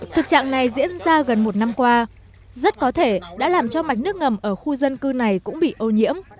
thực trạng này diễn ra gần một năm qua rất có thể đã làm cho mạch nước ngầm ở khu dân cư này cũng bị ô nhiễm